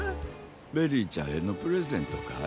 ベリーちゃんへのプレゼントかい？